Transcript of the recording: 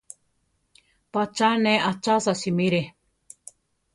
Pacha ne achasa simiré.